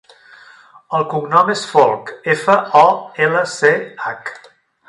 El cognom és Folch: efa, o, ela, ce, hac.